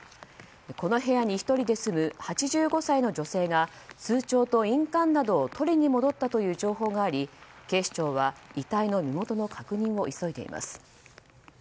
この部屋に１人で住む８５歳の女性が通帳と印鑑などを取りに戻ったという情報があり警視庁は遺体の身元の確認を急いでいます。